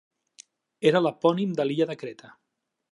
Era l'epònim de l'illa de Creta.